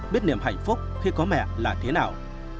biết niềm hạnh phúc khi có mẹ là thế nào